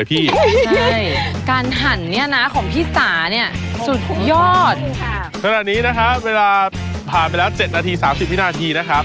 ขณะนี้นะครับเวลาผ่านไปแล้ว๗นาที๓๐วินาทีนะครับ